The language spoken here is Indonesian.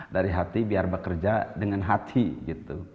dari hati biar bekerja dengan hati gitu